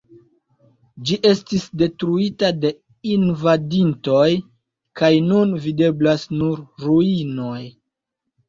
Ĝi estis detruita de invadintoj, kaj nun videblas nur ruinoj.